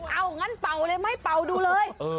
เอางั้นเป่าเลยไหมเป่าดูเลย